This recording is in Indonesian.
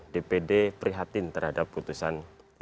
dpd prihatin terhadap putusan tiga puluh dua ribu delapan belas